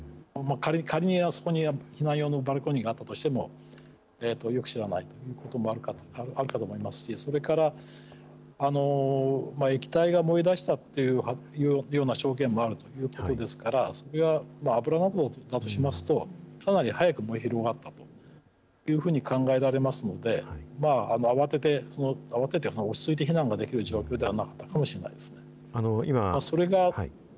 仮に、あそこに避難用のバルコニーがあったとしても、よく知らないということもあるかと思いますし、それから液体が燃え出したっていうような証言もあるということですから、それは油などだとしますと、かなり早く燃え広がったというふうに考えられますので、慌てて、落ち着いて避難ができる状況ではなかったかもしれません。